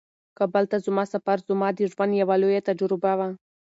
کابل ته زما سفر زما د ژوند یوه لویه تجربه وه.